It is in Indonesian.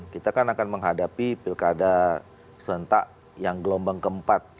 kita kan akan menghadapi pilkada serentak yang gelombang keempat